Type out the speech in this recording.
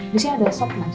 disini ada sop gak sih